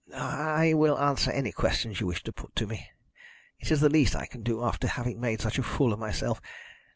"I will answer any questions you wish to put to me. It is the least I can do after having made such a fool of myself.